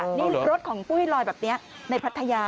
นี่รถของปุ้ยลอยแบบนี้ในพัทยา